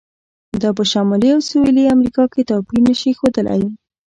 دا په شمالي او سویلي امریکا کې توپیر نه شي ښودلی.